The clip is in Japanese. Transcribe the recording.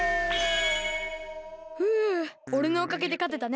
ふうおれのおかげでかてたね。